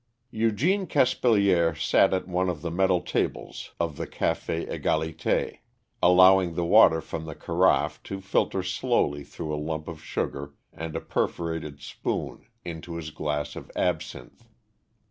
Eugène Caspilier sat at one of the metal tables of the Café Égalité, allowing the water from the carafe to filter slowly through a lump of sugar and a perforated spoon into his glass of absinthe.